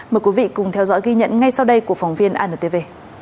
mời quý vị cùng theo dõi ghi nhận ngay sau đây của phóng viên antv